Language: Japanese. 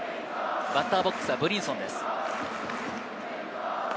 バッターボックスはブリンソンです。